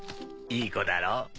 いい子だろう？